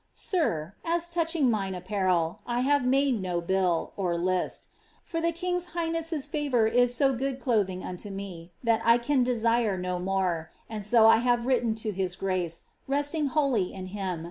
*'Sir, as touching mine apparel, I ha\'e made no biU (list). For the kicgi hishnesi>'s fnvoiir i.'* so good clothing unto me, that lean desire no more: aci K I have M ritten to his grace, rc^ti^g wholly in him.